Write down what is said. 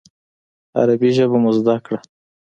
عربي ژبه مو زده کړه.